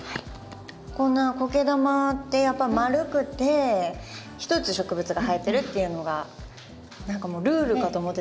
こんなコケ玉ってやっぱり丸くてひとつ植物が入ってるっていうのが何かもうルールかと思ってたので。